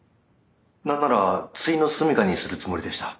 何ならついの住みかにするつもりでした。